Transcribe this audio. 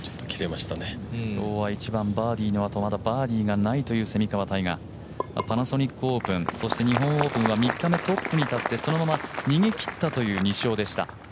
今日は１番バーディーのあとまだバーディーがないという蝉川パナソニックオープン、そして日本オープンは３日目、トップに立って、そのまま逃げ切ったという２勝でした。